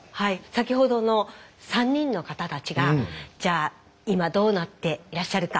先ほどの３人の方たちがじゃあ今どうなっていらっしゃるか。